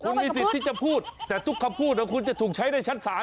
คุณมีสิทธิ์จะพูดแต่ทุกคำพูดคุณจะถูกใช้ได้ชัดสรร